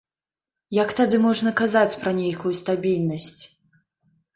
Як тады можна казаць пра нейкую стабільнасць?